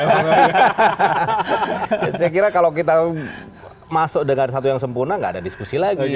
saya kira kalau kita masuk dengan satu yang sempurna gak ada diskusi lagi